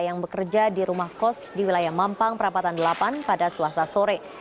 yang bekerja di rumah kos di wilayah mampang perapatan delapan pada selasa sore